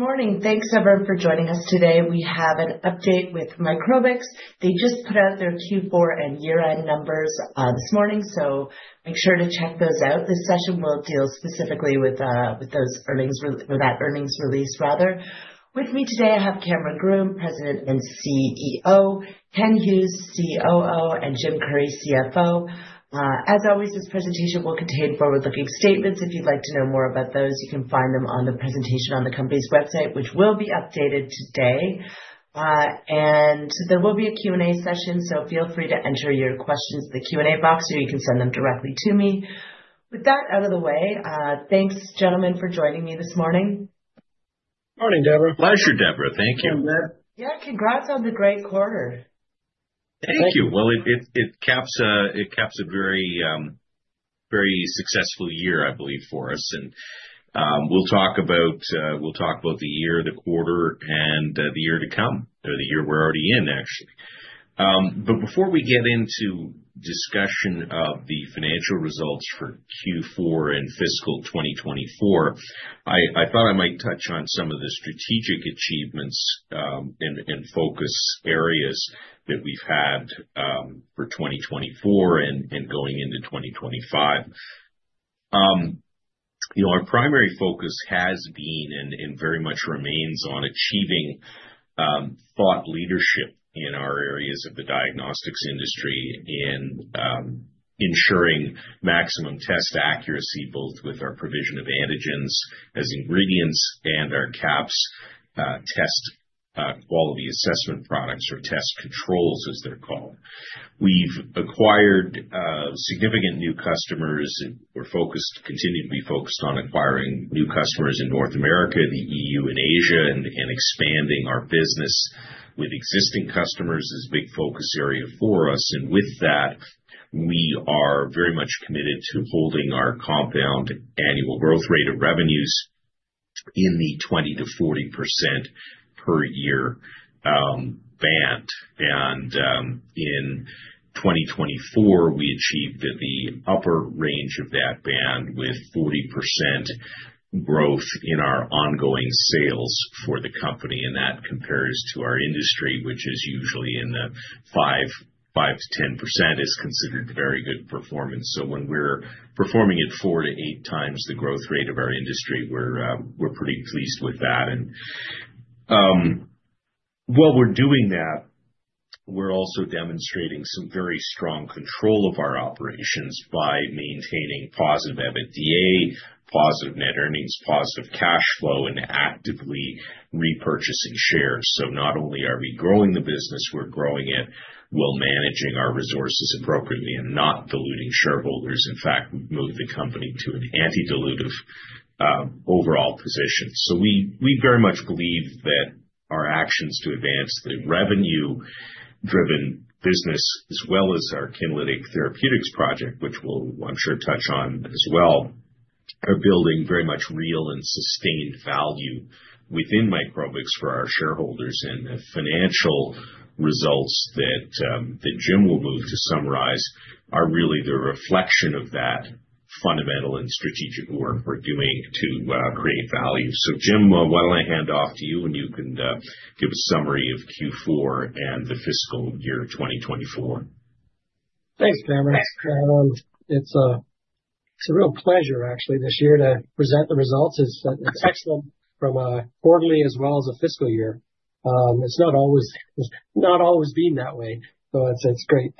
Good morning. Thanks, everyone, for joining us today. We have an update with Microbix. They just put out their Q4 and year-end numbers this morning, so make sure to check those out. This session will deal specifically with those earnings, well, that earnings release, rather. With me today, I have Cameron Groome, President and CEO, Ken Hughes, COO, and Jim Currie, CFO. As always, this presentation will contain forward-looking statements. If you'd like to know more about those, you can find them on the presentation on the company's website, which will be updated today, and there will be a Q&A session, so feel free to enter your questions in the Q&A box, or you can send them directly to me. With that out of the way, thanks, gentlemen, for joining me this morning. Morning, Deborah. Pleasure, Deborah. Thank you. Yeah, congrats on the great quarter. Thank you. Well, it caps a very successful year, I believe, for us. And we'll talk about the year, the quarter, and the year to come, or the year we're already in, actually. But before we get into discussion of the financial results for Q4 and fiscal 2024, I thought I might touch on some of the strategic achievements and focus areas that we've had for 2024 and going into 2025. Our primary focus has been and very much remains on achieving thought leadership in our areas of the diagnostics industry in ensuring maximum test accuracy, both with our provision of antigens as ingredients and our QAPs test quality assessment products, or test controls, as they're called. We've acquired significant new customers. focused and continue to be focused on acquiring new customers in North America, the EU, and Asia, and expanding our business with existing customers is a big focus area for us. And with that, we are very much committed to holding our compound annual growth rate of revenues in the 20%-40% per year band. And in 2024, we achieved the upper range of that band with 40% growth in our ongoing sales for the company. And that compares to our industry, which is usually in the 5%-10%, is considered very good performance. So when we're performing at four to eight times the growth rate of our industry, we're pretty pleased with that. And while we're doing that, we're also demonstrating some very strong control of our operations by maintaining positive EBITDA, positive net earnings, positive cash flow, and actively repurchasing shares. So not only are we growing the business, we're growing it while managing our resources appropriately and not diluting shareholders. In fact, we've moved the company to an anti-dilutive overall position. So we very much believe that our actions to advance the revenue-driven business, as well as our Kinlytic Therapeutics project, which we'll, I'm sure, touch on as well, are building very much real and sustained value within Microbix for our shareholders. And the financial results that Jim will move to summarize are really the reflection of that fundamental and strategic work we're doing to create value. So Jim, why don't I hand off to you, and you can give a summary of Q4 and the fiscal year 2024? Thanks, Cameron. It's a real pleasure, actually, this year to present the results. It's excellent from a quarterly as well as a fiscal year. It's not always been that way, so it's great.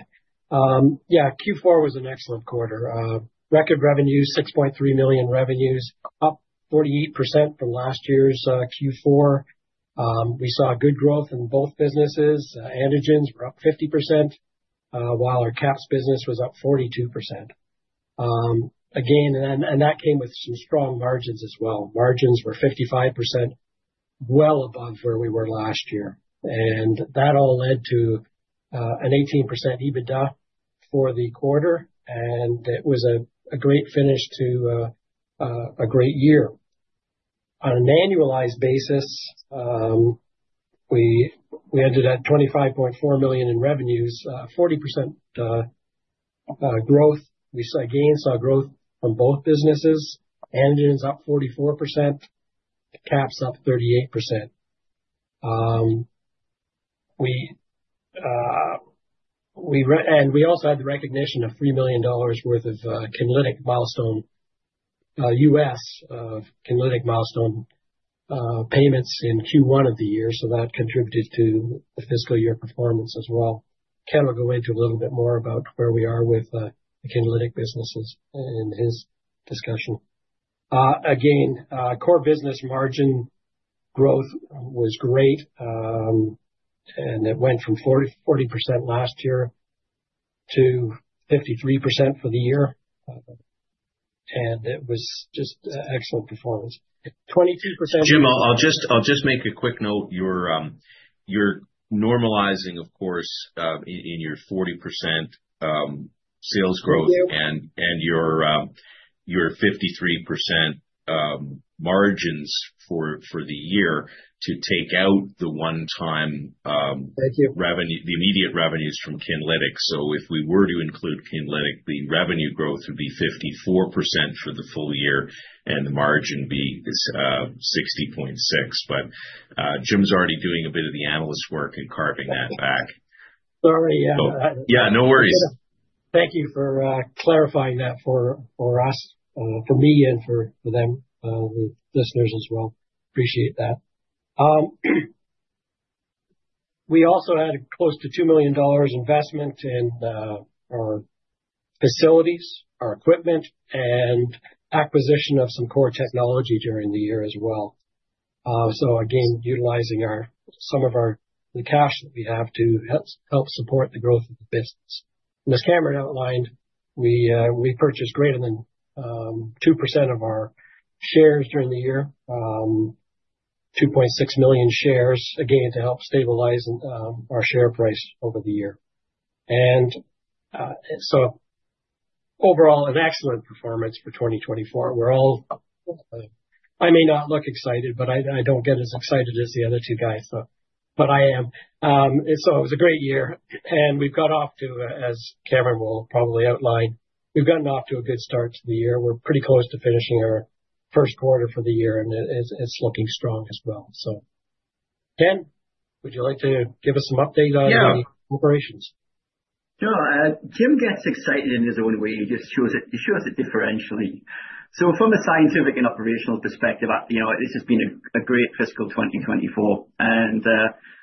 Yeah, Q4 was an excellent quarter. Record revenue, 6.3 million revenues, up 48% from last year's Q4. We saw good growth in both businesses. Antigens were up 50%, while our QAPs business was up 42%. Again, and that came with some strong margins as well. Margins were 55%, well above where we were last year. And that all led to an 18% EBITDA for the quarter. And it was a great finish to a great year. On an annualized basis, we ended at 25.4 million in revenues, 40% growth. We saw gains, saw growth from both businesses. Antigens up 44%, QAPs up 38%. And we also had the recognition of $3 million worth of Kinly Milestone USD, Kinly Milestone payments in Q1 of the year. So that contributed to the fiscal year performance as well. Ken will go into a little bit more about where we are with the Kinly businesses in his discussion. Again, core business margin growth was great. And it went from 40% last year to 53% for the year. And it was just excellent performance. 22%. Jim, I'll just make a quick note. You're normalizing, of course, in your 40% sales growth and your 53% margins for the year to take out the one-time revenue, the immediate revenues from Kinlytic. So if we were to include Kinlytic, the revenue growth would be 54% for the full year, and the margin be 60.6%. But Jim's already doing a bit of the analyst work and carving that back. Sorry. Yeah, no worries. Thank you for clarifying that for us, for me, and for them, the listeners as well. Appreciate that. We also had close to 2 million dollars investment in our facilities, our equipment, and acquisition of some core technology during the year as well. So again, utilizing some of the cash that we have to help support the growth of the business. As Cameron outlined, we purchased greater than 2% of our shares during the year, 2.6 million shares, again, to help stabilize our share price over the year. And so overall, an excellent performance for 2024. I may not look excited, but I don't get as excited as the other two guys, but I am. So it was a great year. And we've got off to, as Cameron will probably outline, we've gotten off to a good start to the year. We're pretty close to finishing our first quarter for the year, and it's looking strong as well. So Ken, would you like to give us some update on the operations? Sure. Jim gets excited in his own way. He shows it differentially. So from a scientific and operational perspective, this has been a great fiscal 2024. And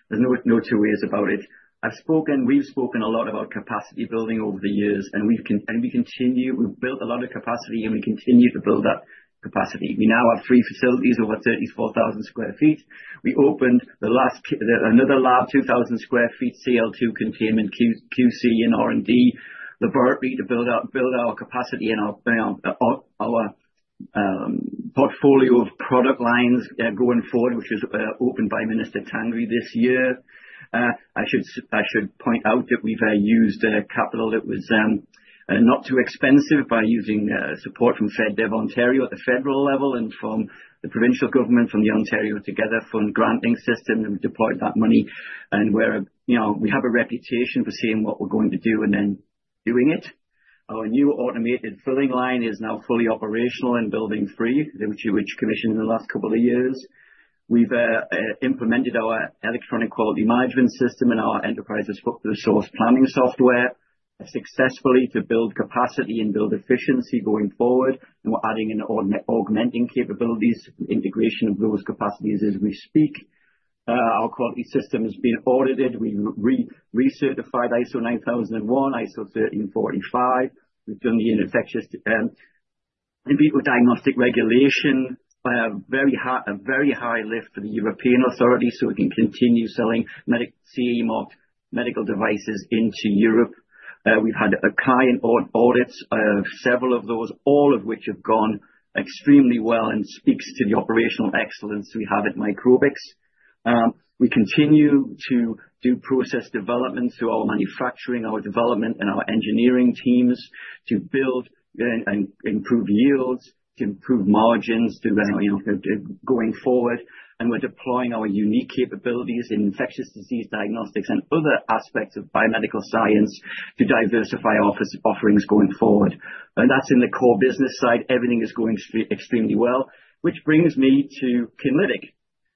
there's no two ways about it. We've spoken a lot about capacity building over the years, and we built a lot of capacity, and we continue to build that capacity. We now have three facilities over 34,000 sq ft. We opened another lab, 2,000 sq ft, CL2 containment, QC and R&D, laboratory to build our capacity and our portfolio of product lines going forward, which was opened by Minister Tangri this year. I should point out that we've used capital that was not too expensive by using support from FedDev Ontario at the federal level and from the provincial government, from the Ontario Together Fund granting system. We deployed that money. We have a reputation for seeing what we're going to do and then doing it. Our new automated filling line is now fully operational and Building Three, which commissioned in the last couple of years. We've implemented our electronic quality management system and our enterprise resource planning software successfully to build capacity and build efficiency going forward. We're adding and augmenting capabilities, integration of those capacities as we speak. Our quality system has been audited. We've recertified ISO 9001, ISO 13485. We've done the infectious and in vitro diagnostic regulation. We have a very high bar for the European authorities so we can continue selling CE marked medical devices into Europe. We've had a client audit of several of those, all of which have gone extremely well and speaks to the operational excellence we have at Microbix. We continue to do process development through our manufacturing, our development, and our engineering teams to build and improve yields, to improve margins going forward. And we're deploying our unique capabilities in infectious disease diagnostics and other aspects of biomedical science to diversify our offerings going forward. And that's in the core business side. Everything is going extremely well, which brings me to Kinlytic.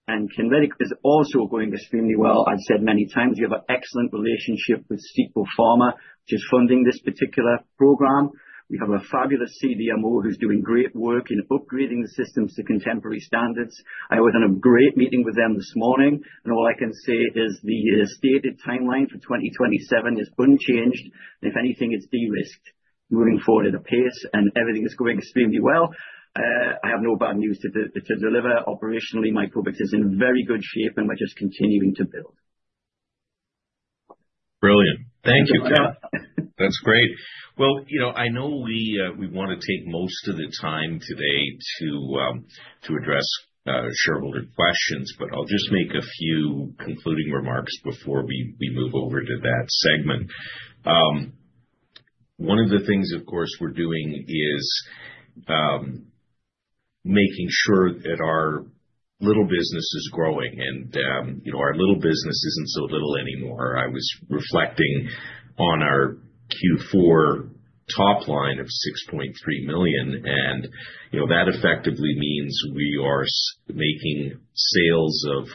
And Kinlytic is also going extremely well. I've said many times, we have an excellent relationship with Sequel Pharma, which is funding this particular program. We have a fabulous CDMO who's doing great work in upgrading the systems to contemporary standards. I was in a great meeting with them this morning. And all I can say is the stated timeline for 2027 is unchanged. If anything, it's de-risked moving forward at a pace. And everything is going extremely well. I have no bad news to deliver. Operationally, Microbix is in very good shape and we're just continuing to build. Brilliant. Thank you, Ken. That's great. Well, I know we want to take most of the time today to address shareholder questions, but I'll just make a few concluding remarks before we move over to that segment. One of the things, of course, we're doing is making sure that our little business is growing. And our little business isn't so little anymore. I was reflecting on our Q4 top line of 6.3 million. And that effectively means we are making sales of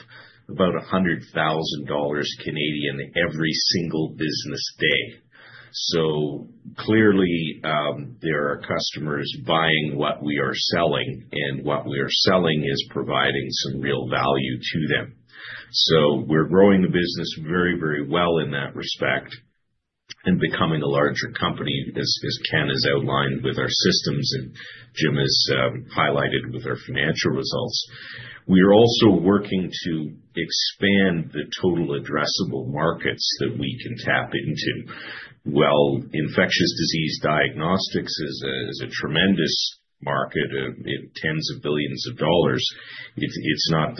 about 100,000 Canadian dollars every single business day. So clearly, there are customers buying what we are selling, and what we are selling is providing some real value to them. So we're growing the business very, very well in that respect and becoming a larger company, as Ken has outlined with our systems and Jim has highlighted with our financial results. We are also working to expand the total addressable markets that we can tap into. Infectious disease diagnostics is a tremendous market in tens of billions of dollars. It's not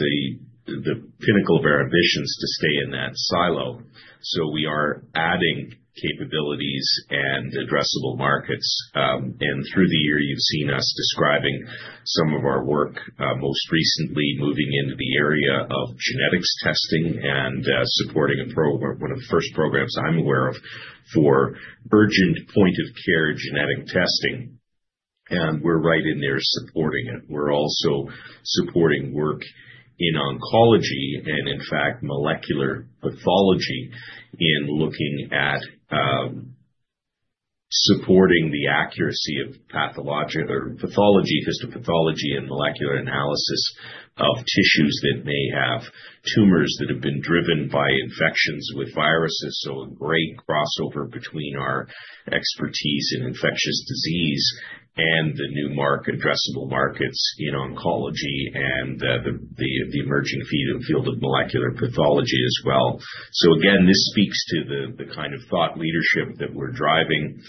the pinnacle of our ambitions to stay in that silo. So we are adding capabilities and addressable markets. And through the year, you've seen us describing some of our work, most recently moving into the area of genetics testing and supporting one of the first programs I'm aware of for urgent point-of-care genetic testing. And we're right in there supporting it. We're also supporting work in oncology and, in fact, molecular pathology in looking at supporting the accuracy of pathology, histopathology, and molecular analysis of tissues that may have tumors that have been driven by infections with viruses. So a great crossover between our expertise in infectious disease and the new total addressable markets in oncology and the emerging field of molecular pathology as well. So again, this speaks to the kind of thought leadership that we're driving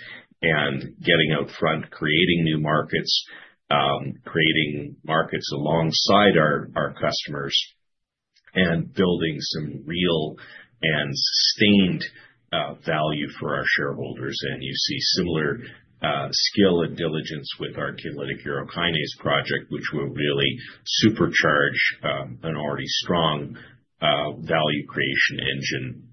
and getting out front, creating new markets, creating markets alongside our customers, and building some real and sustained value for our shareholders. And you see similar skill and diligence with our Kinlytic urokinase project, which will really supercharge an already strong value creation engine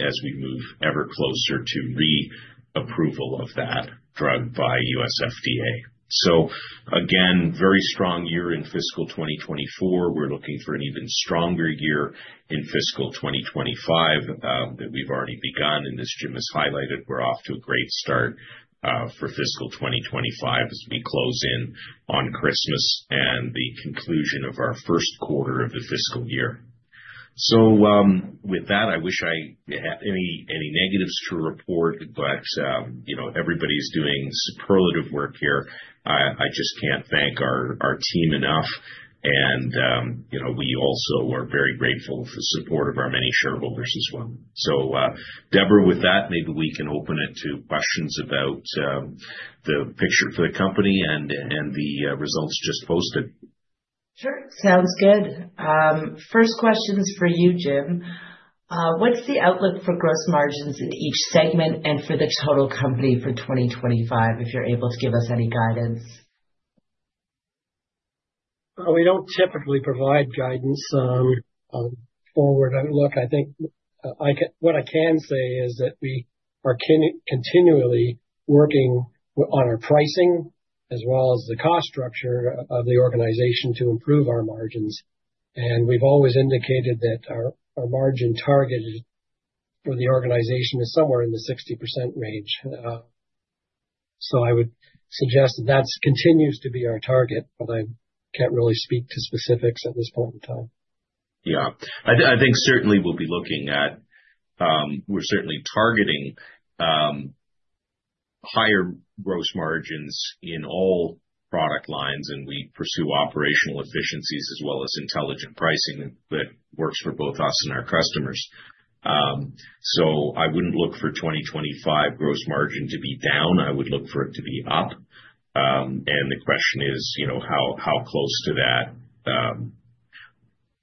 as we move ever closer to re-approval of that drug by U.S. FDA. So again, very strong year in fiscal 2024. We're looking for an even stronger year in fiscal 2025 that we've already begun. And as Jim has highlighted, we're off to a great start for fiscal 2025 as we close in on Christmas and the conclusion of our first quarter of the fiscal year. So with that, I wish I had any negatives to report, but everybody's doing superlative work here. I just can't thank our team enough. And we also are very grateful for the support of our many shareholders as well. So Deborah, with that, maybe we can open it to questions about the picture for the company and the results just posted. Sure. Sounds good. First questions for you, Jim. What's the outlook for gross margins in each segment and for the total company for 2025, if you're able to give us any guidance? We don't typically provide guidance forward. Look, I think what I can say is that we are continually working on our pricing as well as the cost structure of the organization to improve our margins. And we've always indicated that our margin targeted for the organization is somewhere in the 60% range. So I would suggest that that continues to be our target, but I can't really speak to specifics at this point in time. Yeah. I think certainly we're certainly targeting higher gross margins in all product lines, and we pursue operational efficiencies as well as intelligent pricing that works for both us and our customers, so I wouldn't look for 2025 gross margin to be down. I would look for it to be up, and the question is, how close to that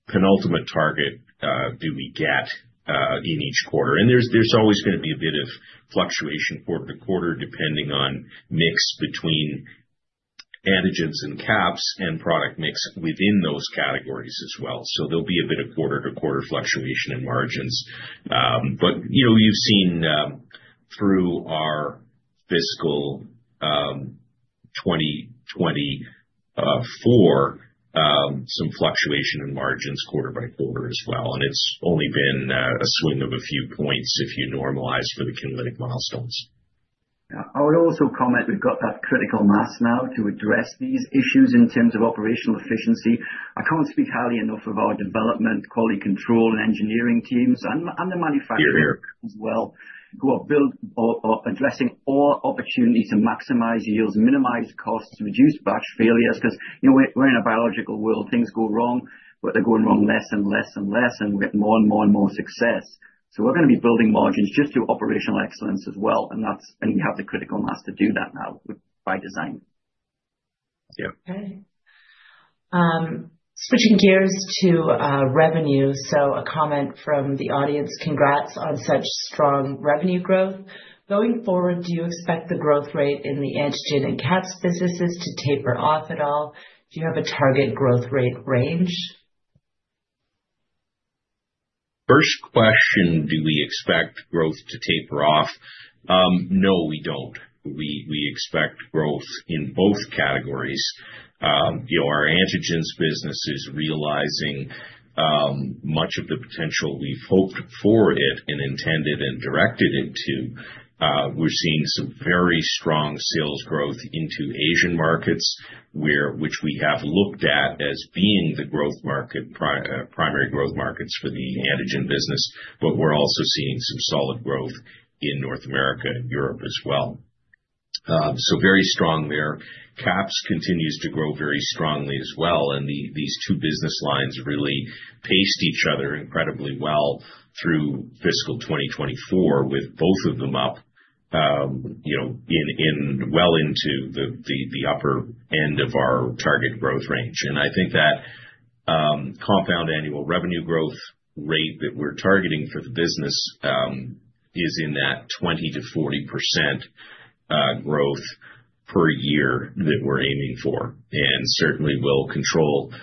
penultimate target do we get in each quarter, and there's always going to be a bit of fluctuation quarter to quarter depending on mix between antigens and QAPs and product mix within those categories as well, so there'll be a bit of quarter-to-quarter fluctuation in margins, but you've seen through our fiscal 2024 some fluctuation in margins quarter by quarter as well, and it's only been a swing of a few points if you normalize for the Kinlytic milestones. I would also comment we've got that critical mass now to address these issues in terms of operational efficiency. I can't speak highly enough of our development, quality control, and engineering teams and the manufacturing as well. We're addressing all opportunities to maximize yields, minimize costs, reduce batch failures because we're in a biological world. Things go wrong, but they're going wrong less and less and less, and we get more and more and more success, so we're going to be building margins just to operational excellence as well, and we have the critical mass to do that now by design. Yeah. Okay. Switching gears to revenue. So a comment from the audience, "Congrats on such strong revenue growth. Going forward, do you expect the growth rate in the antigen and QAPs businesses to taper off at all? Do you have a target growth rate range? First question, do we expect growth to taper off? No, we don't. We expect growth in both categories. Our antigens business is realizing much of the potential we've hoped for it and intended and directed into. We're seeing some very strong sales growth into Asian markets, which we have looked at as being the primary growth markets for the antigen business. But we're also seeing some solid growth in North America and Europe as well. So very strong there. QAPs continues to grow very strongly as well. And these two business lines really paced each other incredibly well through fiscal 2024, with both of them up well into the upper end of our target growth range. And I think that compound annual revenue growth rate that we're targeting for the business is in that 20%-40% growth per year that we're aiming for. Certainly, we'll control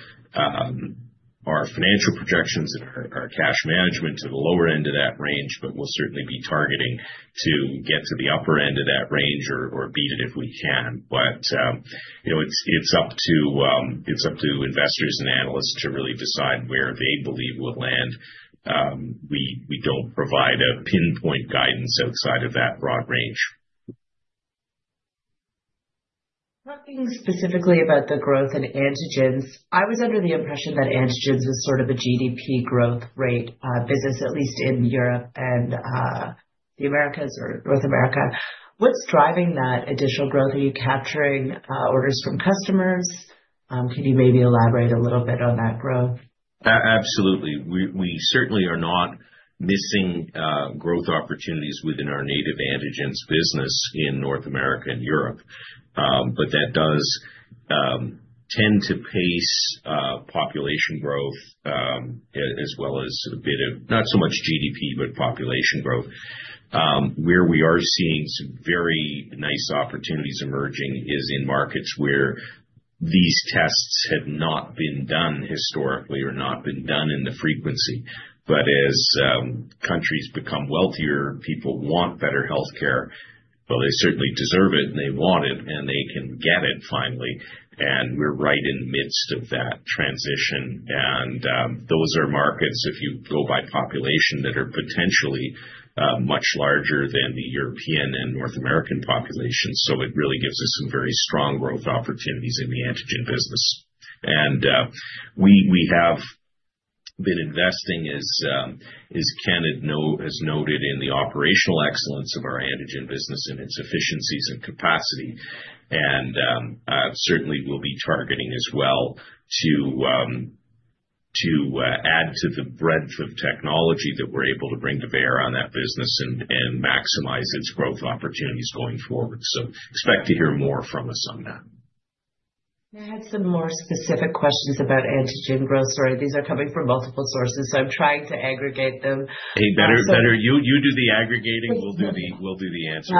our financial projections and our cash management to the lower end of that range, but we'll certainly be targeting to get to the upper end of that range or beat it if we can. It's up to investors and analysts to really decide where they believe we'll land. We don't provide a pinpoint guidance outside of that broad range. Talking specifically about the growth in antigens, I was under the impression that antigens was sort of a GDP growth rate business, at least in Europe and the Americas or North America. What's driving that additional growth? Are you capturing orders from customers? Can you maybe elaborate a little bit on that growth? Absolutely. We certainly are not missing growth opportunities within our native antigens business in North America and Europe. But that does tend to pace population growth as well as a bit of not so much GDP, but population growth. Where we are seeing some very nice opportunities emerging is in markets where these tests have not been done historically or not been done in the frequency. But as countries become wealthier, people want better healthcare. Well, they certainly deserve it, and they want it, and they can get it finally. And those are markets, if you go by population, that are potentially much larger than the European and North American populations. So it really gives us some very strong growth opportunities in the antigen business. We have been investing, as Kenneth has noted, in the operational excellence of our antigen business and its efficiencies and capacity. And certainly, we'll be targeting as well to add to the breadth of technology that we're able to bring to bear on that business and maximize its growth opportunities going forward. Expect to hear more from us on that. I had some more specific questions about antigen growth. Sorry, these are coming from multiple sources, so I'm trying to aggregate them. Hey, better you do the aggregating. We'll do the answer.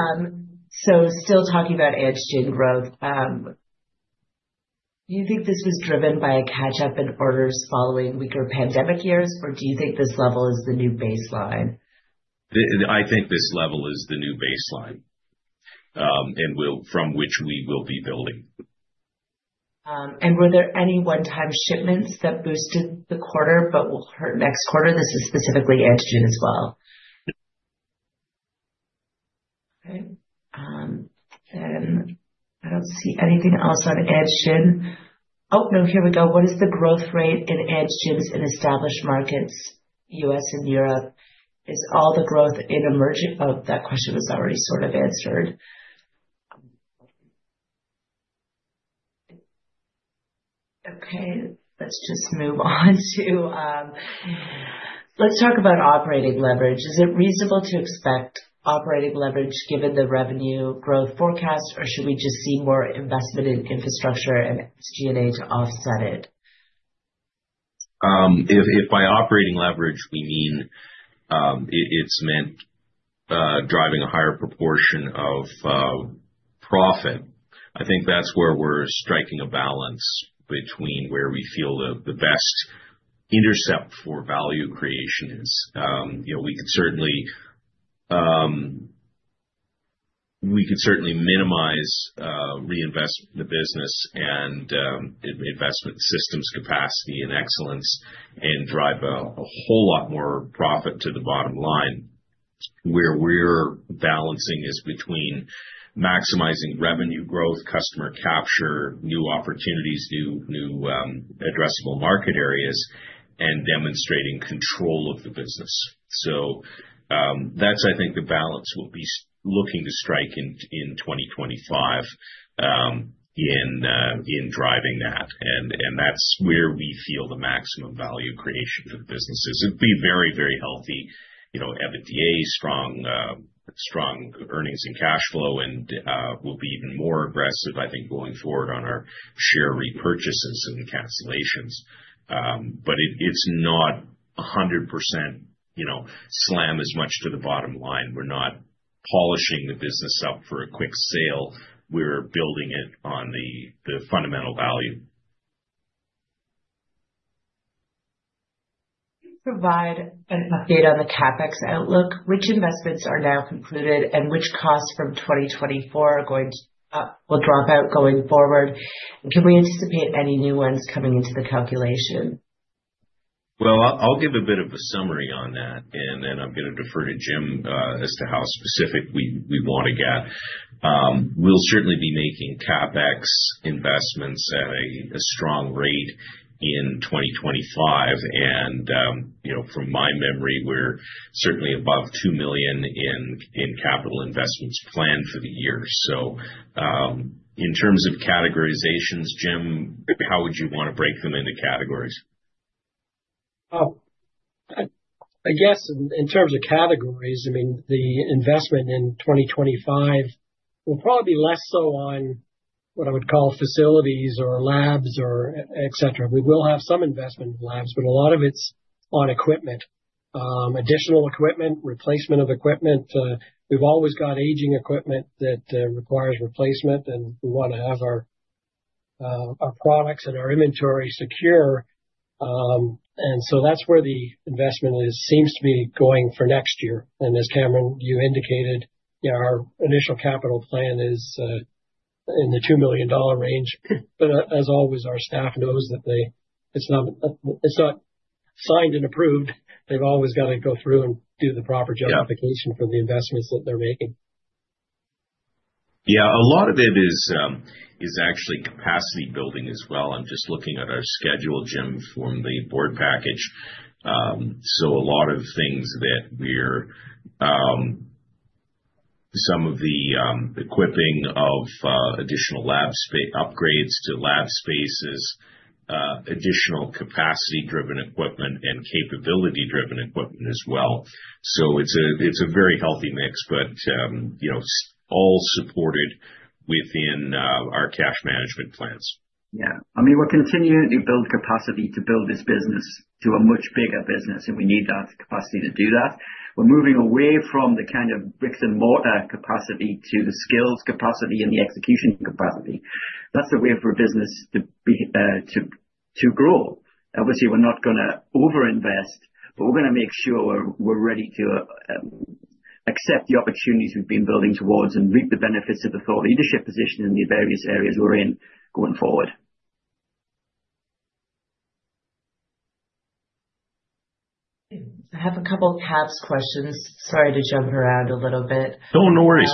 So still talking about antigen growth, do you think this was driven by a catch-up in orders following weaker pandemic years, or do you think this level is the new baseline? I think this level is the new baseline from which we will be building. And were there any one-time shipments that boosted the quarter, but next quarter? This is specifically antigen as well. Okay. And I don't see anything else on antigen. Oh, no, here we go. What is the growth rate in antigens in established markets, U.S. and Europe? Is all the growth in emerging? Oh, that question was already sort of answered. Okay. Let's just move on to let's talk about operating leverage. Is it reasonable to expect operating leverage given the revenue growth forecast, or should we just see more investment in infrastructure and R&D to offset it? If by operating leverage, we mean it's meant driving a higher proportion of profit, I think that's where we're striking a balance between where we feel the best intercept for value creation is. We could certainly minimize reinvestment in the business and investment systems capacity and excellence and drive a whole lot more profit to the bottom line. Where we're balancing is between maximizing revenue growth, customer capture, new opportunities, new addressable market areas, and demonstrating control of the business. So that's, I think, the balance we'll be looking to strike in 2025 in driving that. And that's where we feel the maximum value creation for the businesses. It'll be very, very healthy EBITDA, strong earnings and cash flow, and we'll be even more aggressive, I think, going forward on our share repurchases and cancellations. But it's not 100% slam as much to the bottom line. We're not polishing the business up for a quick sale. We're building it on the fundamental value. Can you provide an update on the CapEx outlook? Which investments are now concluded, and which costs from 2024 will drop out going forward? And can we anticipate any new ones coming into the calculation? I'll give a bit of a summary on that, and then I'm going to defer to Jim as to how specific we want to get. We'll certainly be making CapEx investments at a strong rate in 2025. From my memory, we're certainly above 2 million in capital investments planned for the year. In terms of categorizations, Jim, how would you want to break them into categories? I guess in terms of categories, I mean, the investment in 2025 will probably be less so on what I would call facilities or labs, etc. We will have some investment in labs, but a lot of it's on equipment, additional equipment, replacement of equipment. We've always got aging equipment that requires replacement, and we want to have our products and our inventory secure, and so that's where the investment seems to be going for next year, and as Cameron, you indicated, our initial capital plan is in the 2 million dollar range. But as always, our staff knows that it's not signed and approved. They've always got to go through and do the proper justification for the investments that they're making. Yeah. A lot of it is actually capacity building as well. I'm just looking at our schedule, Jim, from the board package. So a lot of things that we're some of the equipping of additional lab upgrades to lab spaces, additional capacity-driven equipment, and capability-driven equipment as well. So it's a very healthy mix, but all supported within our cash management plans. Yeah. I mean, we're continuing to build capacity to build this business to a much bigger business, and we need that capacity to do that. We're moving away from the kind of bricks-and-mortar capacity to the skills capacity and the execution capacity. That's the way for a business to grow. Obviously, we're not going to overinvest, but we're going to make sure we're ready to accept the opportunities we've been building towards and reap the benefits of the thought leadership position in the various areas we're in going forward. I have a couple of QAPs questions. Sorry to jump around a little bit. Don't worry.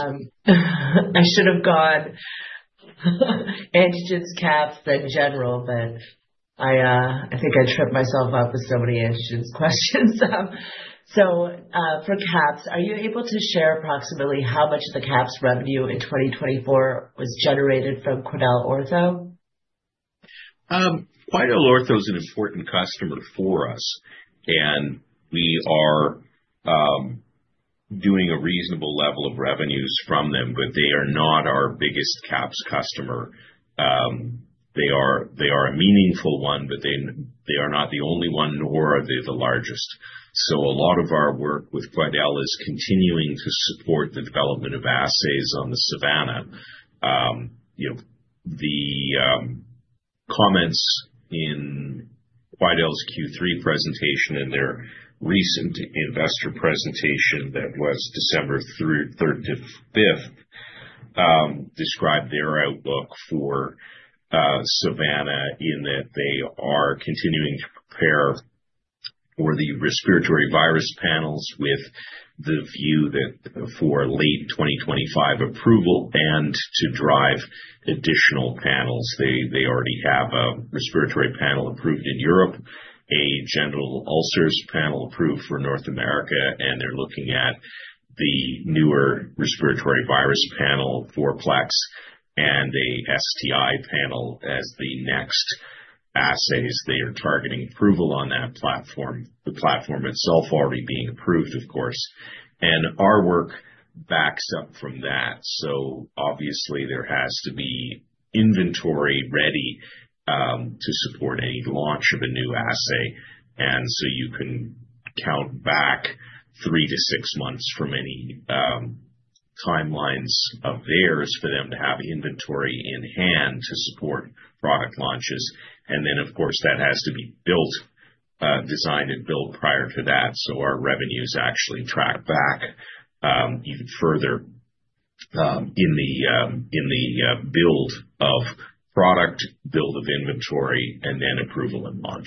I should have gone antigens, QAPs, then general, but I think I tripped myself up with so many antigens questions. So for QAPs, are you able to share approximately how much of the QAPs revenue in 2024 was generated from QuidelOrtho? QuidelOrtho is an important customer for us, and we are doing a reasonable level of revenues from them, but they are not our biggest QAPs customer. They are a meaningful one, but they are not the only one, nor are they the largest. So a lot of our work with Quidel is continuing to support the development of assays on the Savanna. The comments in Quidel's Q3 presentation and their recent investor presentation that was December 3rd to 5th described their outlook for Savanna in that they are continuing to prepare for the respiratory virus panels with the view that for late 2025 approval and to drive additional panels. They already have a respiratory panel approved in Europe, a general ulcers panel approved for North America, and they're looking at the newer respiratory virus panel, Four-Plex, and an STI panel as the next assays. They are targeting approval on that platform, the platform itself already being approved, of course. And our work backs up from that. So obviously, there has to be inventory ready to support any launch of a new assay. And so you can count back three to six months from any timelines of theirs for them to have inventory in hand to support product launches. And then, of course, that has to be built, designed, and built prior to that. So our revenues actually track back even further in the build of product, build of inventory, and then approval and launch.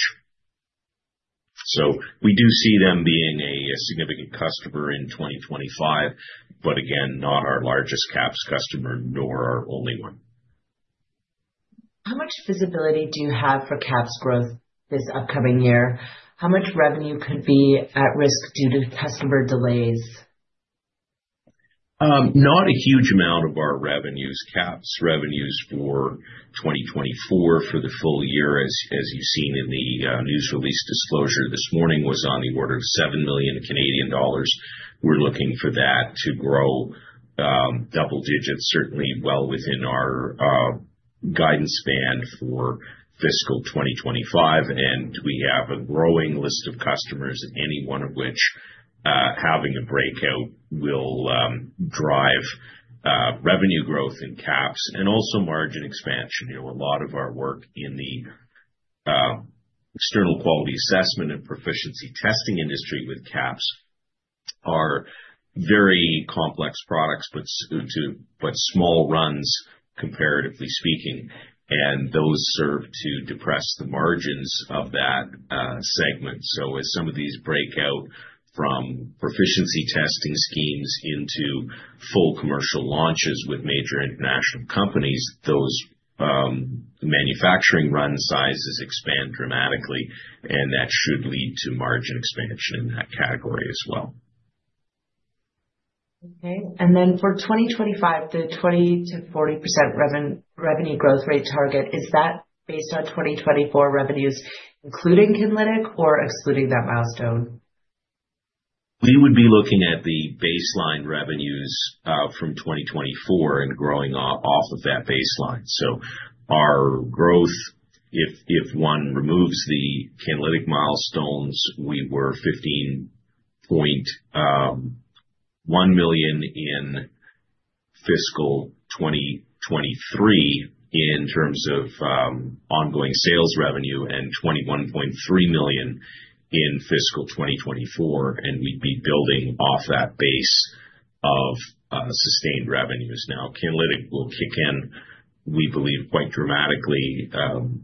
So we do see them being a significant customer in 2025, but again, not our largest QAPs customer, nor our only one. How much visibility do you have for QAPs growth this upcoming year? How much revenue could be at risk due to customer delays? Not a huge amount of our revenues. QAPs revenues for 2024 for the full year, as you've seen in the news release disclosure this morning, was on the order of 7 million Canadian dollars. We're looking for that to grow double digits, certainly well within our guidance span for fiscal 2025, and we have a growing list of customers, any one of which having a breakout will drive revenue growth in QAPs and also margin expansion. A lot of our work in the external quality assessment and proficiency testing industry with QAPs are very complex products, but small runs comparatively speaking, and those serve to depress the margins of that segment, so as some of these break out from proficiency testing schemes into full commercial launches with major international companies, those manufacturing run sizes expand dramatically, and that should lead to margin expansion in that category as well. Okay. And then for 2025, the 20%-40% revenue growth rate target, is that based on 2024 revenues, including Kinlytic or excluding that milestone? We would be looking at the baseline revenues from 2024 and growing off of that baseline. So our growth, if one removes the Kinlytic milestones, we were 15.1 million in fiscal 2023 in terms of ongoing sales revenue and 21.3 million in fiscal 2024. And we'd be building off that base of sustained revenues. Now, Kinlytic will kick in, we believe, quite dramatically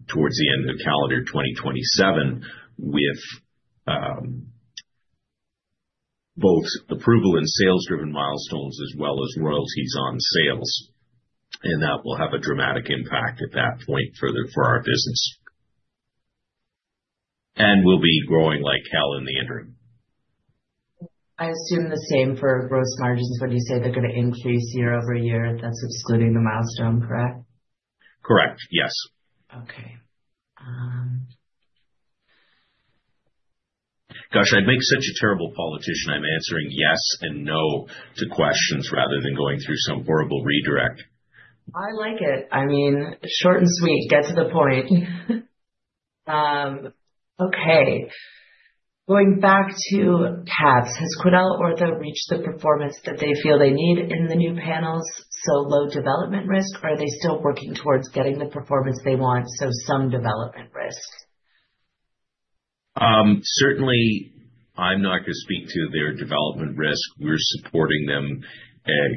towards the end of calendar 2027 with both approval and sales-driven milestones as well as royalties on sales. And that will have a dramatic impact at that point for our business. And we'll be growing like hell in the interim. I assume the same for gross margins when you say they're going to increase year over year, that's excluding the milestone, correct? Correct. Yes. Okay. Gosh, I'd make such a terrible politician. I'm answering yes and no to questions rather than going through some horrible redirect. I like it. I mean, short and sweet, get to the point. Okay. Going back to QAPs, has QuidelOrtho reached the performance that they feel they need in the new panels? So low development risk, or are they still working towards getting the performance they want? So some development risk. Certainly, I'm not going to speak to their development risk. We're supporting them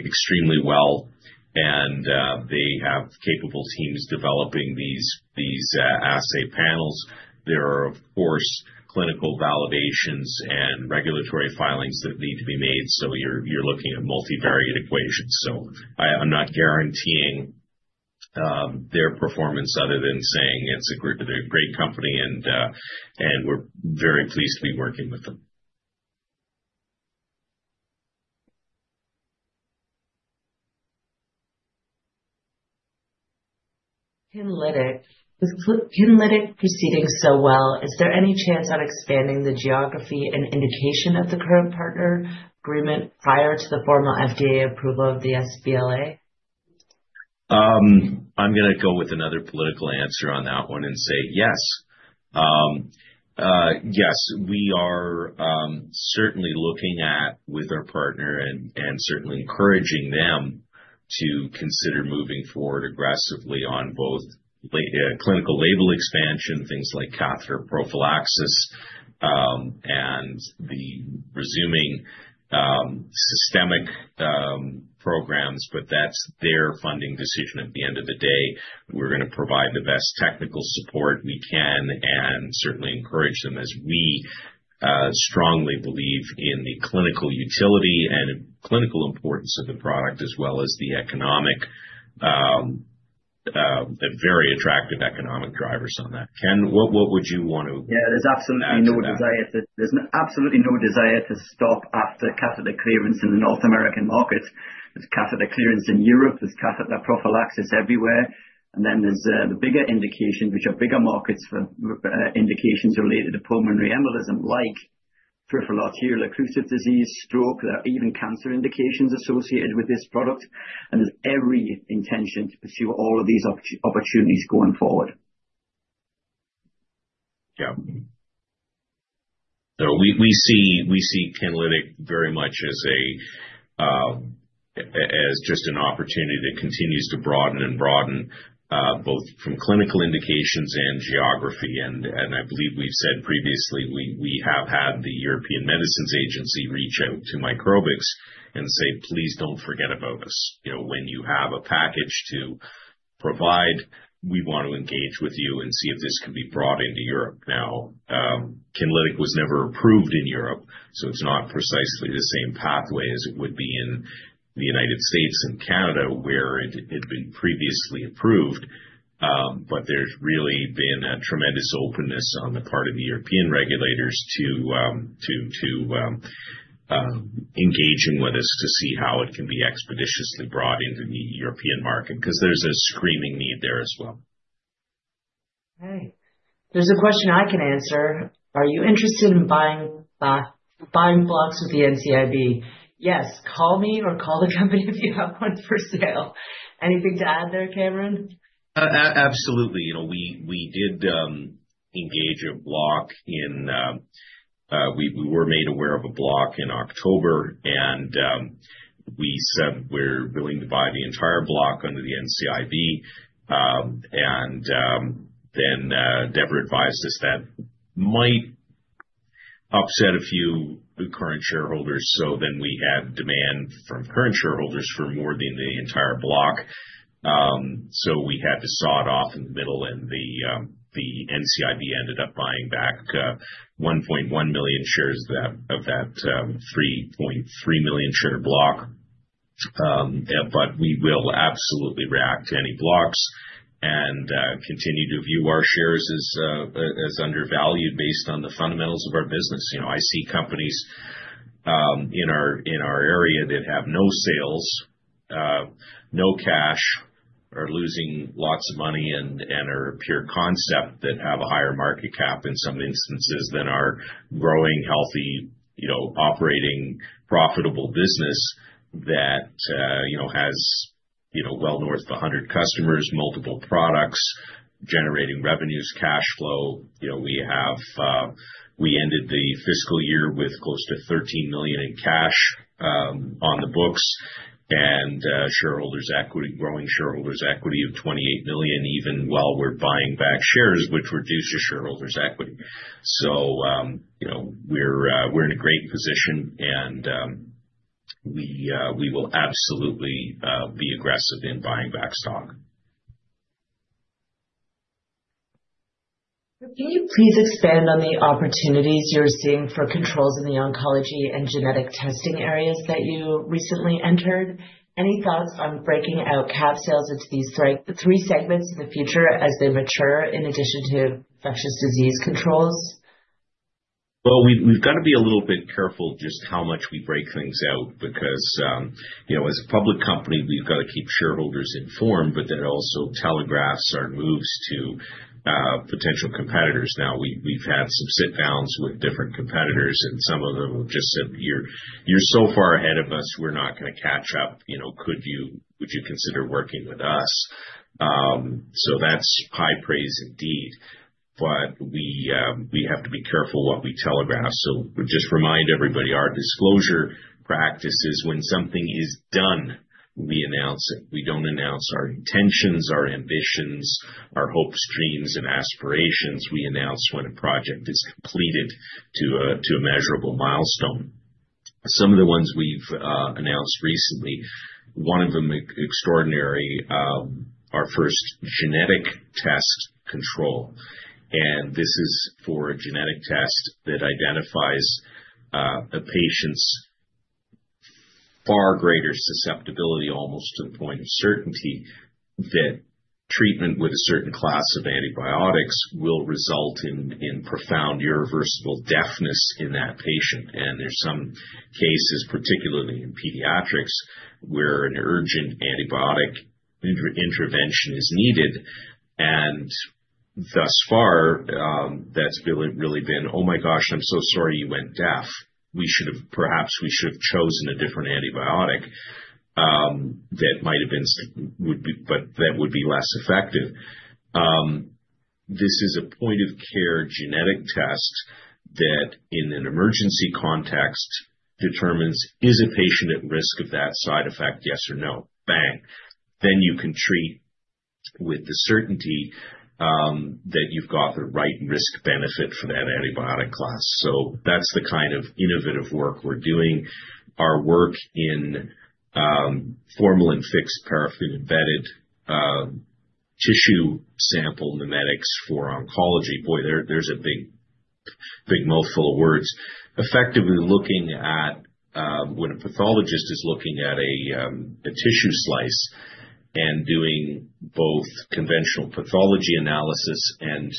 extremely well, and they have capable teams developing these assay panels. There are, of course, clinical validations and regulatory filings that need to be made. So you're looking at multivariate equations. So I'm not guaranteeing their performance other than saying it's a great company, and we're very pleased to be working with them. Kinlytic, with Kinlytic proceeding so well, is there any chance of expanding the geography and indication of the current partner agreement prior to the formal FDA approval of the SBLA? I'm going to go with another political answer on that one and say yes. Yes, we are certainly looking at, with our partner, and certainly encouraging them to consider moving forward aggressively on both clinical label expansion, things like catheter prophylaxis, and the resuming systemic programs, but that's their funding decision at the end of the day. We're going to provide the best technical support we can and certainly encourage them as we strongly believe in the clinical utility and clinical importance of the product as well as the economic, very attractive economic drivers on that. Ken, what would you want to? Yeah, there's absolutely no desire to stop after catheter clearance in the North American market. There's catheter clearance in Europe. There's catheter prophylaxis everywhere. And then there's the bigger indications, which are bigger markets for indications related to pulmonary embolism like peripheral arterial occlusive disease, stroke. There are even cancer indications associated with this product. And there's every intention to pursue all of these opportunities going forward. Yeah. So we see Kinlytic very much as just an opportunity that continues to broaden and broaden, both from clinical indications and geography. And I believe we've said previously, we have had the European Medicines Agency reach out to Microbix and say, "Please don't forget about us. When you have a package to provide, we want to engage with you and see if this can be brought into Europe." Now, Kinlytic was never approved in Europe, so it's not precisely the same pathway as it would be in the United States and Canada where it had been previously approved. But there's really been a tremendous openness on the part of the European regulators to engage with us to see how it can be expeditiously brought into the European market because there's a screaming need there as well. Okay. There's a question I can answer. Are you interested in buying blocks with the NCIB? Yes, call me or call the company if you have one for sale. Anything to add there, Cameron? Absolutely. We were made aware of a block in October, and we said we're willing to buy the entire block under the NCIB. And then Deborah advised us that might upset a few current shareholders. So then we had demand from current shareholders for more than the entire block. So we had to saw it off in the middle, and the NCIB ended up buying back 1.1 million shares of that 3.3 million share block. But we will absolutely react to any blocks and continue to view our shares as undervalued based on the fundamentals of our business. I see companies in our area that have no sales, no cash, are losing lots of money and are a pure concept that have a higher market cap in some instances than our growing, healthy, operating, profitable business that has well north of 100 customers, multiple products, generating revenues, cash flow. We ended the fiscal year with close to 13 million in cash on the books and growing shareholders' equity of 28 million, even while we're buying back shares, which reduces shareholders' equity. So we're in a great position, and we will absolutely be aggressive in buying back stock. Can you please expand on the opportunities you're seeing for controls in the oncology and genetic testing areas that you recently entered? Any thoughts on breaking out QAP sales into these three segments in the future as they mature in addition to infectious disease controls? We've got to be a little bit careful just how much we break things out because as a public company, we've got to keep shareholders informed, but then also telegraphs our moves to potential competitors. Now, we've had some sit-downs with different competitors, and some of them have just said, "You're so far ahead of us. We're not going to catch up. Would you consider working with us?" That's high praise indeed. But we have to be careful what we telegraph. Just remind everybody our disclosure practice is when something is done, we announce it. We don't announce our intentions, our ambitions, our hopes, dreams, and aspirations. We announce when a project is completed to a measurable milestone. Some of the ones we've announced recently, one of them extraordinary, our first genetic test control. This is for a genetic test that identifies a patient's far greater susceptibility, almost to the point of certainty, that treatment with a certain class of antibiotics will result in profound irreversible deafness in that patient. There's some cases, particularly in pediatrics, where an urgent antibiotic intervention is needed. Thus far, that's really been, "Oh my gosh, I'm so sorry you went deaf. Perhaps we should have chosen a different antibiotic that might have been, would be, but that would be less effective." This is a point-of-care genetic test that, in an emergency context, determines is a patient at risk of that side effect, yes or no? Bang. Then you can treat with the certainty that you've got the right risk-benefit for that antibiotic class. That's the kind of innovative work we're doing. Our work in formalin-fixed paraffin-embedded tissue sample mimetics for oncology, boy, there's a big mouthful of words. Effectively looking at when a pathologist is looking at a tissue slice and doing both conventional pathology analysis and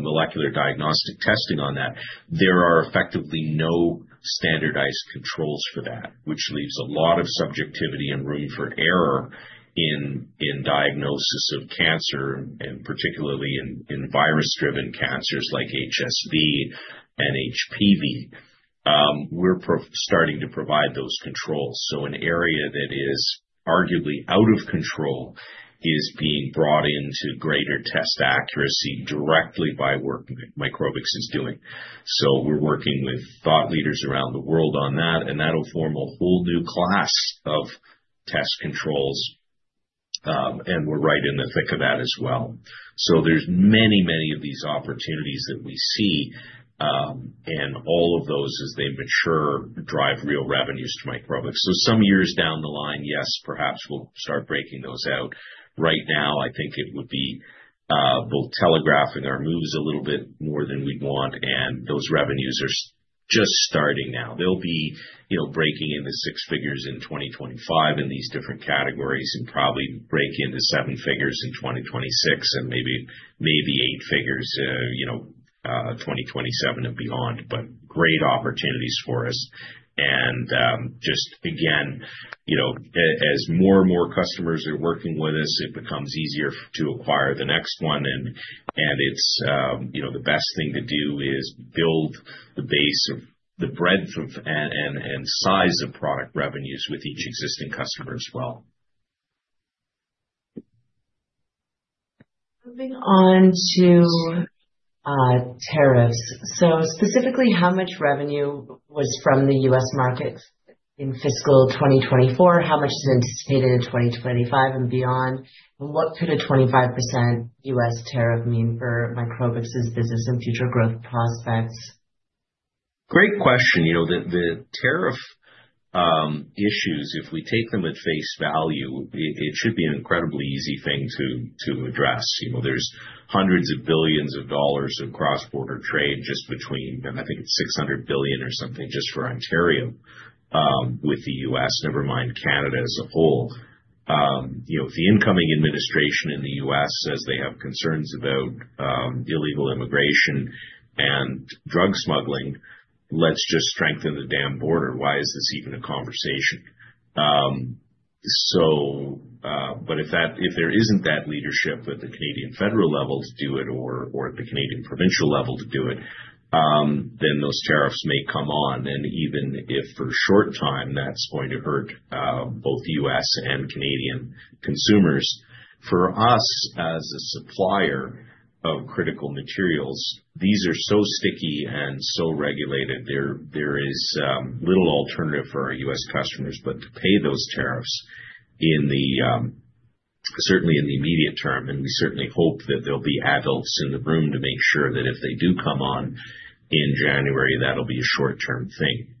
molecular diagnostic testing on that, there are effectively no standardized controls for that, which leaves a lot of subjectivity and room for error in diagnosis of cancer, and particularly in virus-driven cancers like HSV and HPV. We're starting to provide those controls. So an area that is arguably out of control is being brought into greater test accuracy directly by work Microbix is doing. So we're working with thought leaders around the world on that, and that'll form a whole new class of test controls, and we're right in the thick of that as well. So there's many, many of these opportunities that we see, and all of those, as they mature, drive real revenues to Microbix. So some years down the line, yes, perhaps we'll start breaking those out. Right now, I think it would be both telegraphing our moves a little bit more than we'd want, and those revenues are just starting now. They'll be breaking into six figures in 2025 in these different categories and probably break into seven figures in 2026 and maybe eight figures in 2027 and beyond, but great opportunities for us. And just again, as more and more customers are working with us, it becomes easier to acquire the next one. And the best thing to do is build the base of the breadth and size of product revenues with each existing customer as well. Moving on to tariffs. So specifically, how much revenue was from the U.S. markets in fiscal 2024? How much is anticipated in 2025 and beyond? And what could a 25% U.S. tariff mean for Microbix's business and future growth prospects? Great question. The tariff issues, if we take them at face value, it should be an incredibly easy thing to address. There's hundreds of billions of dollars of cross-border trade just between, and I think it's 600 billion or something just for Ontario with the U.S., never mind Canada as a whole. If the incoming administration in the U.S. says they have concerns about illegal immigration and drug smuggling, let's just strengthen the damn border. Why is this even a conversation? But if there isn't that leadership at the Canadian federal level to do it or at the Canadian provincial level to do it, then those tariffs may come on. And even if for a short time, that's going to hurt both U.S. and Canadian consumers. For us as a supplier of critical materials, these are so sticky and so regulated, there is little alternative for our U.S. customers but to pay those tariffs certainly in the immediate term. And we certainly hope that there'll be adults in the room to make sure that if they do come on in January, that'll be a short-term thing.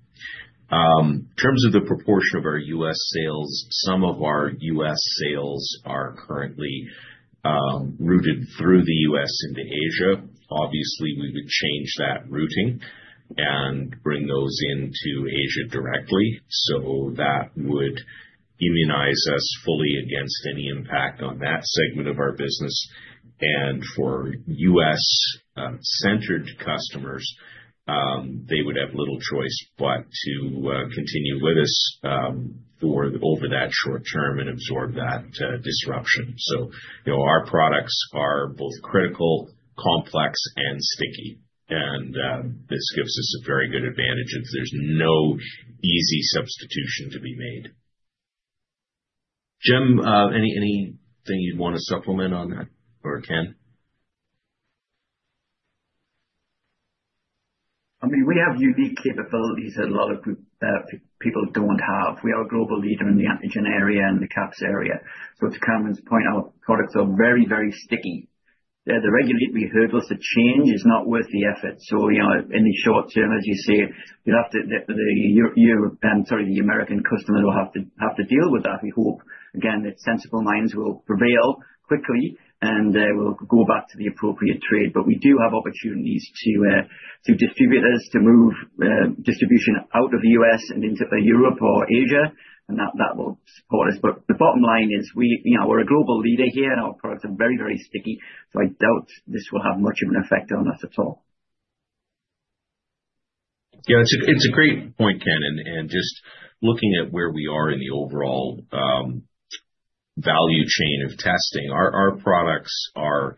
In terms of the proportion of our U.S. sales, some of our U.S. sales are currently routed through the U.S. into Asia. Obviously, we would change that routing and bring those into Asia directly. So that would immunize us fully against any impact on that segment of our business. And for U.S.-centered customers, they would have little choice but to continue with us over that short term and absorb that disruption. So our products are both critical, complex, and sticky. This gives us a very good advantage if there's no easy substitution to be made. Jim, anything you'd want to supplement on that or Ken? I mean, we have unique capabilities that a lot of people don't have. We are a global leader in the antigen area and the QAPs area. So to Cameron's point, our products are very, very sticky. The regulatory hurdles to change is not worth the effort. So in the short term, as you say, you'll have to, sorry, the American customers will have to deal with that. We hope, again, that sensible minds will prevail quickly and will go back to the appropriate trade. But we do have opportunities to distribute this, to move distribution out of the U.S. and into Europe or Asia, and that will support us. But the bottom line is we're a global leader here, and our products are very, very sticky. So I doubt this will have much of an effect on us at all. Yeah, it's a great point, Ken. And just looking at where we are in the overall value chain of testing, our products are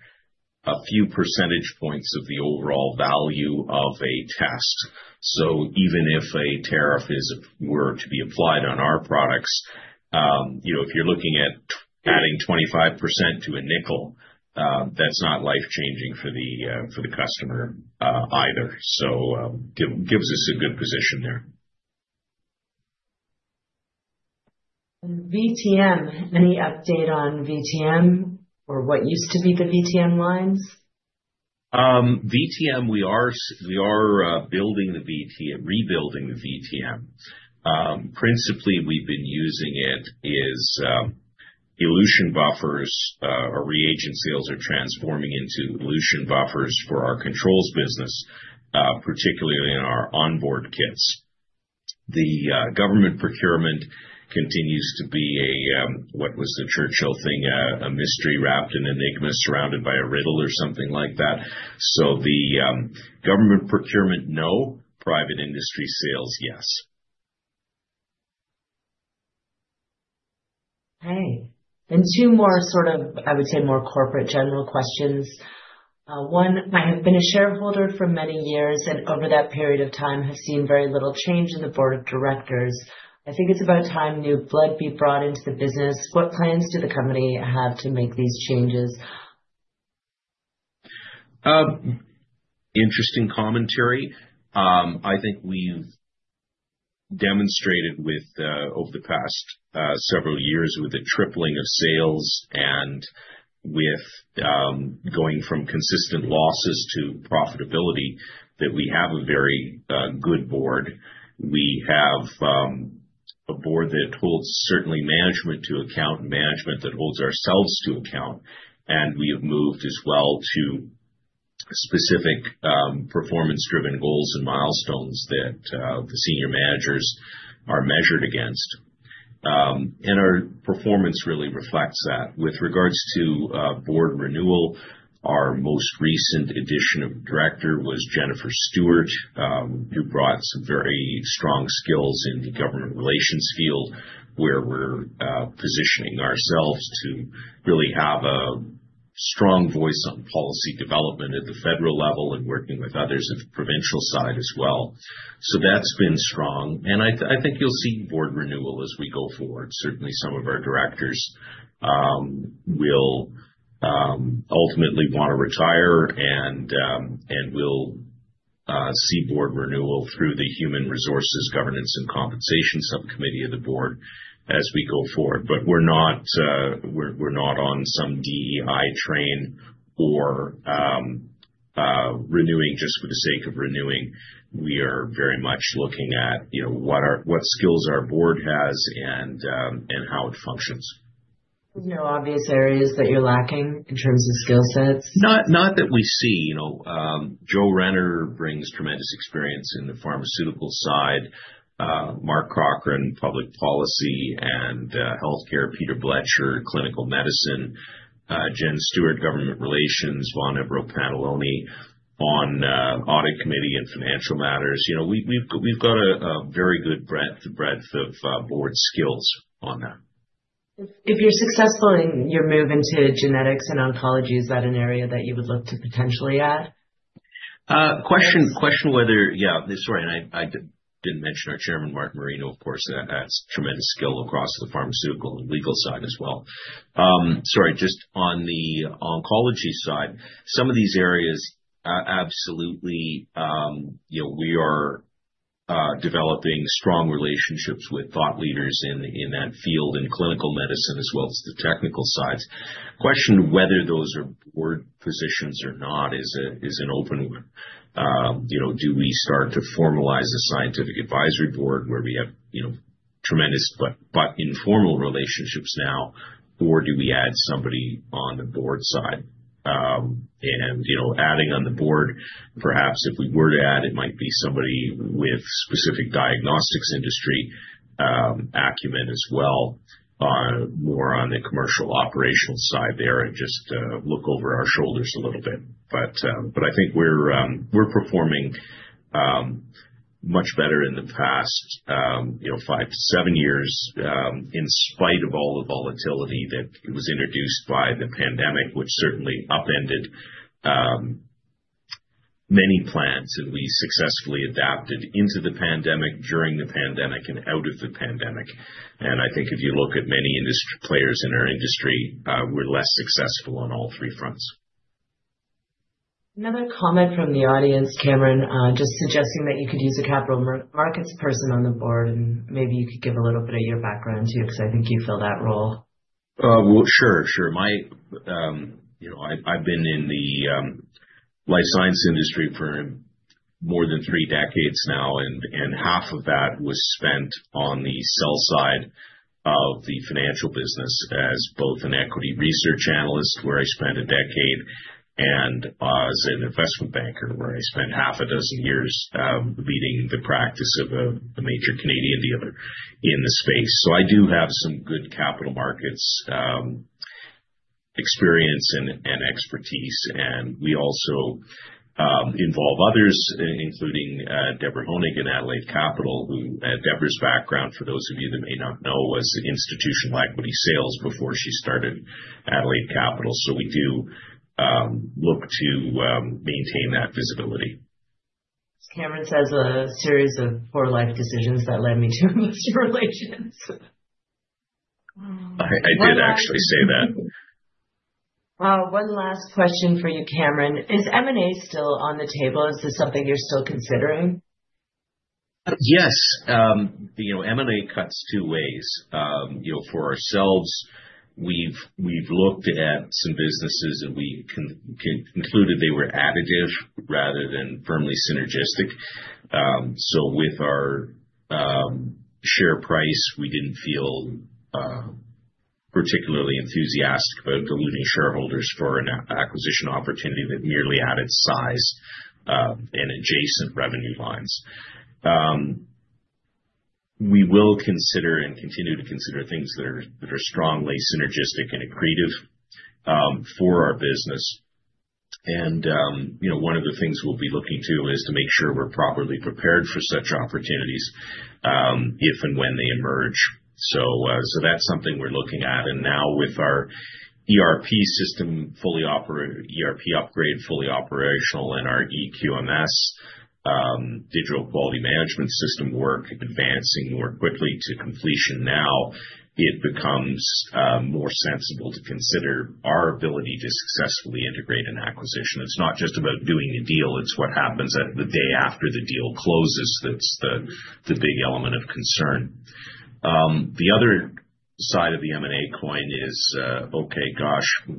a few percentage points of the overall value of a test. So even if a tariff were to be applied on our products, if you're looking at adding 25% to a nickel, that's not life-changing for the customer either. So it gives us a good position there. VTM, any update on VTM or what used to be the VTM lines? VTM, we are rebuilding the VTM. Principally, we've been using it as elution buffers. Our reagent sales are transforming into elution buffers for our controls business, particularly in our onboard kits. The government procurement continues to be a (what was the Churchill thing?) a mystery wrapped in enigma, surrounded by a riddle or something like that. So the government procurement, no. Private industry sales, yes. Okay. And two more sort of, I would say, more corporate general questions. One, I have been a shareholder for many years, and over that period of time, have seen very little change in the board of directors. I think it's about time new blood be brought into the business. What plans do the company have to make these changes? Interesting commentary. I think we've demonstrated over the past several years with the tripling of sales and with going from consistent losses to profitability that we have a very good board. We have a board that holds certainly management to account and management that holds ourselves to account, and we have moved as well to specific performance-driven goals and milestones that the senior managers are measured against, and our performance really reflects that. With regards to board renewal, our most recent addition of director was Jennifer Stewart, who brought some very strong skills in the government relations field where we're positioning ourselves to really have a strong voice on policy development at the federal level and working with others at the provincial side as well, so that's been strong, and I think you'll see board renewal as we go forward. Certainly, some of our directors will ultimately want to retire, and we'll see board renewal through the Human Resources Governance and Compensation Subcommittee of the board as we go forward. But we're not on some DEI train or renewing just for the sake of renewing. We are very much looking at what skills our board has and how it functions. Any obvious areas that you're lacking in terms of skill sets? Not that we see. Joe Renner brings tremendous experience in the pharmaceutical side, Mark Cochran, public policy and healthcare, Peter Blecher, clinical medicine, Jen Stewart, government relations, Vaughn Embro-Pantalony on audit committee and financial matters. We've got a very good breadth of board skills on that. If you're successful in your move into genetics and oncology, is that an area that you would look to potentially add? Question whether, yeah, sorry. I didn't mention our chairman, Martin Marino, of course, has tremendous skill across the pharmaceutical and legal side as well. Sorry, just on the oncology side, some of these areas, absolutely, we are developing strong relationships with thought leaders in that field in clinical medicine as well as the technical sides. Question whether those are board positions or not is an open one. Do we start to formalize a scientific advisory board where we have tremendous but informal relationships now, or do we add somebody on the board side? Adding on the board, perhaps if we were to add, it might be somebody with specific diagnostics industry acumen as well, more on the commercial operational side there and just look over our shoulders a little bit. But I think we're performing much better in the past five to seven years in spite of all the volatility that was introduced by the pandemic, which certainly upended many plans. And we successfully adapted into the pandemic, during the pandemic, and out of the pandemic. And I think if you look at many players in our industry, we're less successful on all three fronts. Another comment from the audience, Cameron, just suggesting that you could use a capital markets person on the board, and maybe you could give a little bit of your background too because I think you fill that role. Well, sure. Sure. I've been in the life science industry for more than three decades now, and half of that was spent on the sell side of the financial business as both an equity research analyst, where I spent a decade, and as an investment banker, where I spent half a dozen years leading the practice of a major Canadian dealer in the space. So I do have some good capital markets experience and expertise. And we also involve others, including Deborah Honig and Adelaide Capital, whose background, for those of you that may not know, was institutional equity sales before she started Adelaide Capital. So we do look to maintain that visibility. A series of poor life decisions that led me to investor relations. I did actually say that. Wow. One last question for you, Cameron. Is M&A still on the table? Is this something you're still considering? Yes. M&A cuts two ways. For ourselves, we've looked at some businesses, and we concluded they were additive rather than firmly synergistic. So with our share price, we didn't feel particularly enthusiastic about diluting shareholders for an acquisition opportunity that merely added size and adjacent revenue lines. We will consider and continue to consider things that are strongly synergistic and accretive for our business. And one of the things we'll be looking to is to make sure we're properly prepared for such opportunities if and when they emerge. So that's something we're looking at. And now with our ERP system fully operative, ERP upgrade fully operational, and our eQMS, digital quality management system work advancing more quickly to completion now, it becomes more sensible to consider our ability to successfully integrate an acquisition. It's not just about doing a deal. It's what happens the day after the deal closes that's the big element of concern. The other side of the M&A coin is, okay, gosh,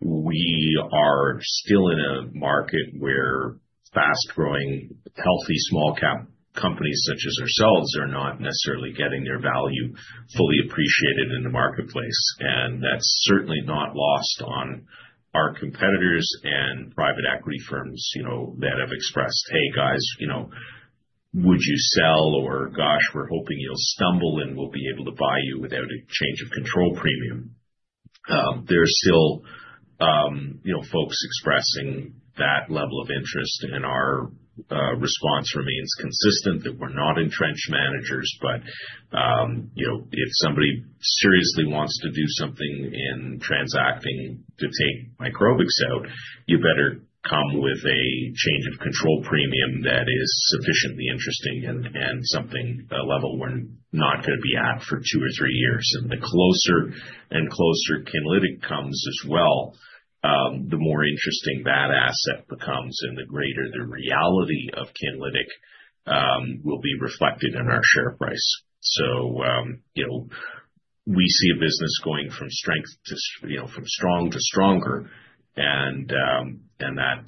we are still in a market where fast-growing, healthy small-cap companies such as ourselves are not necessarily getting their value fully appreciated in the marketplace. And that's certainly not lost on our competitors and private equity firms that have expressed, "Hey, guys, would you sell?" or, "Gosh, we're hoping you'll stumble, and we'll be able to buy you without a change of control premium." There are still folks expressing that level of interest, and our response remains consistent that we're not entrenched managers. But if somebody seriously wants to do something in transacting to take Microbix out, you better come with a change of control premium that is sufficiently interesting and something at a level we're not going to be at for two or three years. And the closer and closer Kinlytic comes as well, the more interesting that asset becomes, and the greater the reality of Kinlytic will be reflected in our share price. So we see a business going from strength to from strong to stronger, and that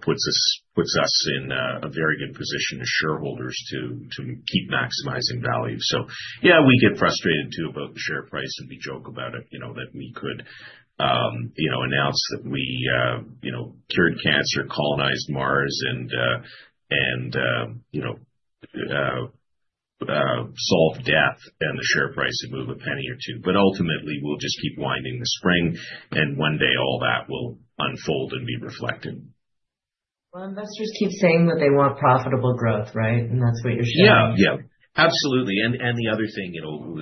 puts us in a very good position as shareholders to keep maximizing value. So yeah, we get frustrated too about the share price, and we joke about it that we could announce that we cured cancer, colonized Mars, and solved death, and the share price would move a penny or two. But ultimately, we'll just keep winding the spring, and one day all that will unfold and be reflected. Investors keep saying that they want profitable growth, right, and that's what you're showing. Yeah. Yeah. Absolutely. And the other thing,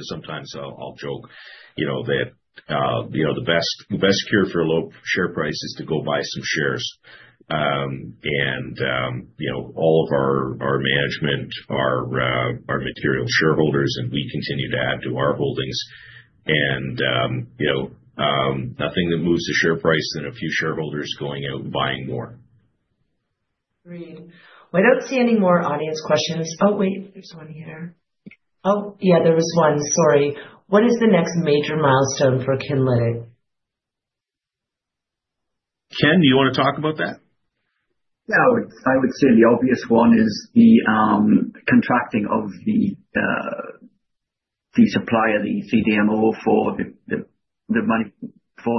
sometimes I'll joke that the best cure for a low share price is to go buy some shares. And all of our management are material shareholders, and we continue to add to our holdings. And nothing that moves the share price than a few shareholders going out and buying more. Agreed. Well, I don't see any more audience questions. Oh, wait, there's one here. Oh, yeah, there was one. Sorry. What is the next major milestone for Kinlytic? Ken, do you want to talk about that? Yeah. I would say the obvious one is the contracting of the supplier, the CDMO, for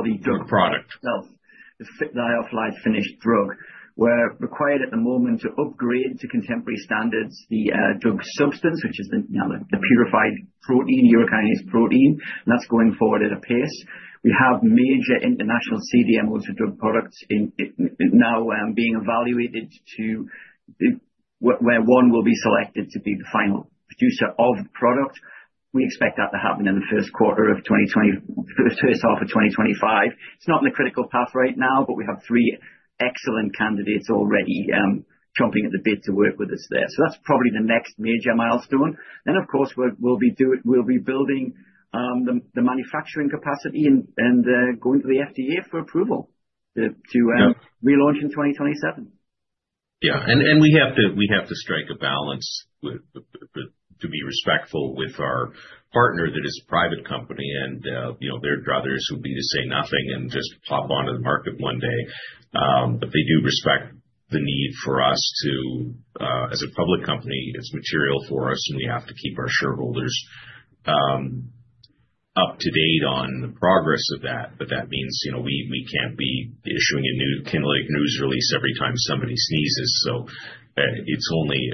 the drug product, the off-the-shelf finished drug. We're required at the moment to upgrade to contemporary standards, the drug substance, which is now the purified protein, urokinase protein. And that's going forward at a pace. We have major international CDMOs for drug products now being evaluated to where one will be selected to be the final producer of the product. We expect that to happen in the first quarter of 2024, first half of 2025. It's not in the critical path right now, but we have three excellent candidates already jumping at the bid to work with us there. So that's probably the next major milestone, and of course, we'll be building the manufacturing capacity and going to the FDA for approval to relaunch in 2027. Yeah. And we have to strike a balance to be respectful with our partner that is a private company. And their druthers would be to say nothing and just pop onto the market one day. But they do respect the need for us to, as a public company, it's material for us, and we have to keep our shareholders up to date on the progress of that. But that means we can't be issuing a new Kinlytic news release every time somebody sneezes. So it's only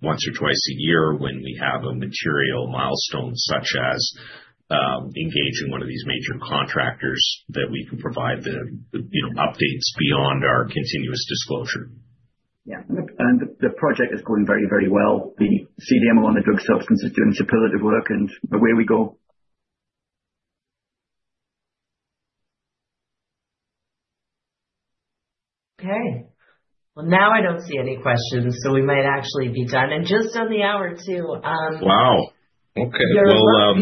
once or twice a year when we have a material milestone such as engaging one of these major contractors that we can provide the updates beyond our continuous disclosure. Yeah, and the project is going very, very well. The CDMO on the drug substance is doing superb work, and away we go. Okay. Well, now I don't see any questions, so we might actually be done, and just on the hour too. Wow. Okay. Well,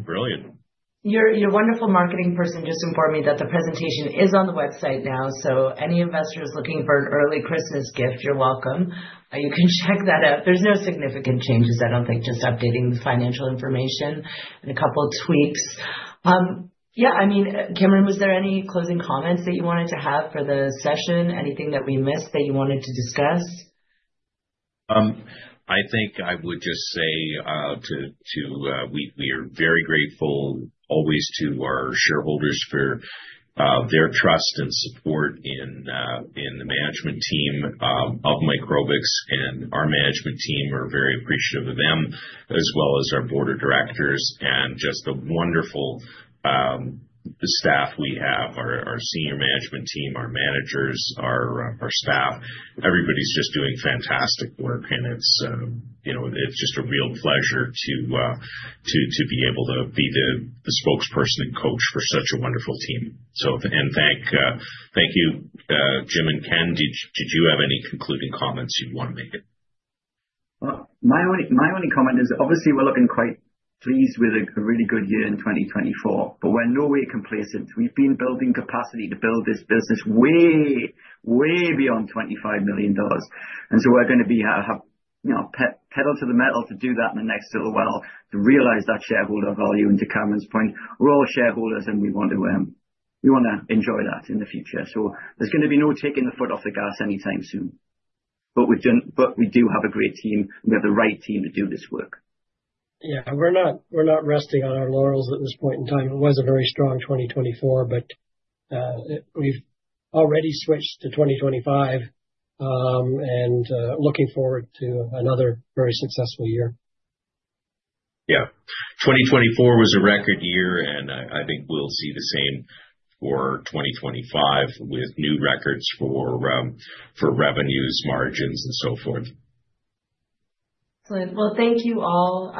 brilliant. Your wonderful marketing person just informed me that the presentation is on the website now. So any investors looking for an early Christmas gift, you're welcome. You can check that out. There's no significant changes, I don't think, just updating the financial information and a couple of tweaks. Yeah. I mean, Cameron, was there any closing comments that you wanted to have for the session? Anything that we missed that you wanted to discuss? I think I would just say to we are very grateful always to our shareholders for their trust and support in the management team of Microbix. And our management team are very appreciative of them, as well as our board of directors and just the wonderful staff we have, our senior management team, our managers, our staff. Everybody's just doing fantastic work, and it's just a real pleasure to be able to be the spokesperson and coach for such a wonderful team. And thank you, Jim and Ken. Did you have any concluding comments you'd want to make? My only comment is, obviously, we're looking quite pleased with a really good year in 2024, but we're nowhere complacent. We've been building capacity to build this business way, way beyond 25 million dollars. And so we're going to have pedal to the metal to do that in the next little while to realize that shareholder value. And to Cameron's point, we're all shareholders, and we want to enjoy that in the future. So there's going to be no taking the foot off the gas anytime soon. But we do have a great team, and we have the right team to do this work. Yeah. We're not resting on our laurels at this point in time. It was a very strong 2024, but we've already switched to 2025 and looking forward to another very successful year. Yeah. 2024 was a record year, and I think we'll see the same for 2025 with new records for revenues, margins, and so forth. Excellent. Well, thank you all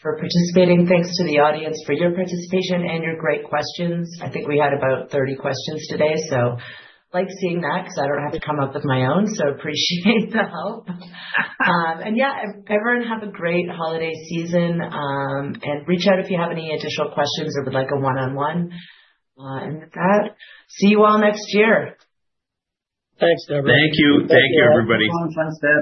for participating. Thanks to the audience for your participation and your great questions. I think we had about 30 questions today, so I like seeing that because I don't have to come up with my own. So I appreciate the help. And yeah, everyone have a great holiday season, and reach out if you have any additional questions or would like a one-on-one with that. See you all next year. Thanks, Deborah. Thank you. Thank you, everybody.